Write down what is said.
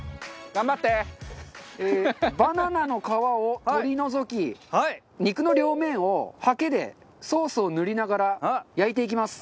バナナの皮を取り除き肉の両面をはけでソースを塗りながら焼いていきます。